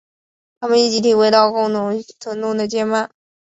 他们一起体会到共享疼痛的羁绊。